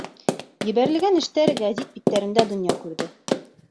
Ебәрелгән эштәр гәзит биттәрендә донъя күрҙе.